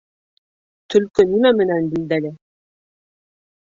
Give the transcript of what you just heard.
Төлкө нимә менән билдәле?